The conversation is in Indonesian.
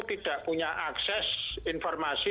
tidak punya akses informasi